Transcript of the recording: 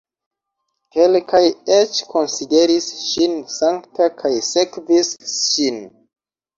Kelkaj eĉ konsideris ŝin sankta kaj sekvis ŝin.